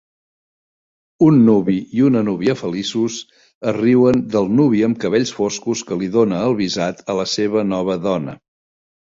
Un nuvi i una núvia feliços es riuen del nuvi amb cabells foscos que li dona el visat a la seva nova dona